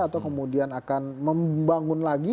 atau kemudian akan membangun lagi